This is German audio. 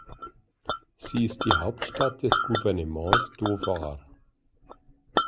Sie ist die Hauptstadt des Gouvernements Dhofar.